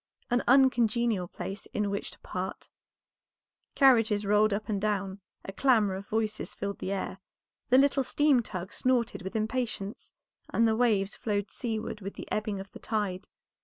An uncongenial place in which to part; carriages rolled up and down, a clamor of voices filled the air, the little steamtug snorted with impatience, and the waves flowed seaward with the ebbing of the tide.